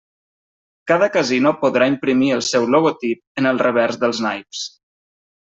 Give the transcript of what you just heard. Cada casino podrà imprimir el seu logotip en el revers dels naips.